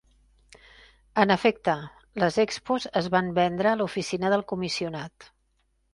En efecte, les Expos es van vendre a l'oficina del comissionat.